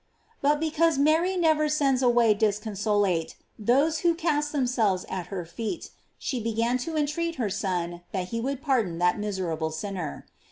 But because Mary never sends away disconsolate those who cast themselves at her feet, she began to entreat her Son that he would pardon that miserable sinner.